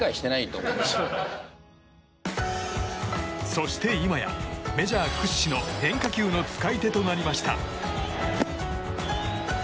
そして今やメジャー屈指の変化球の使い手となりました。